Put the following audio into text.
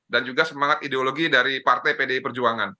dan juga semangat ideologi dari partai pdi perjuangan